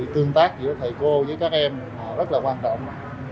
tương tác giữa thầy cô với các em rất là quan trọng